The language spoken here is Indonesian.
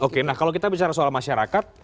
oke nah kalau kita bicara soal masyarakat